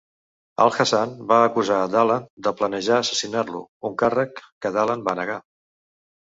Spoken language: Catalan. Al-Hassan va acusar a Dahlan de planejar assassinar-lo, un càrrec que Dahlan va negar.